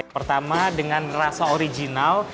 pertama dengan rasa original